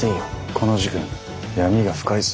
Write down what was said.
この事件闇が深いぞ。